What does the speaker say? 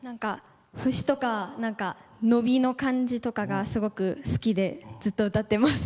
節とか、伸びの感じとかがすごく好きでずっと歌ってます。